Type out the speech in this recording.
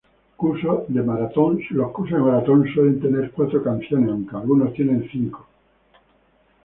Cursos de maratón suelen tener cuatro canciones, aunque algunos tienen cinco canciones.